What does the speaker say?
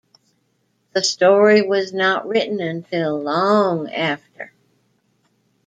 The story was not written until long after.